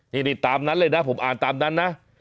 นี่ตามนั้นเลยนะผมอ่านตามนั้นนะ